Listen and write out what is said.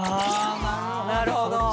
なるほど！